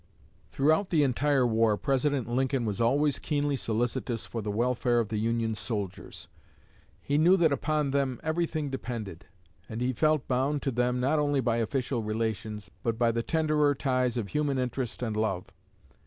Throughout the entire war President Lincoln was always keenly solicitous for the welfare of the Union soldiers. He knew that upon them everything depended; and he felt bound to them not only by official relations, but by the tenderer ties of human interest and love.